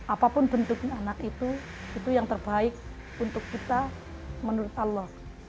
apapun bentuknya anak itu itu yang terbaik untuk kita menurut allah